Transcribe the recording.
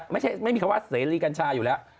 ไม่ใช่ไม่มีความว่าเซรีกัญชะอยู่แล้ว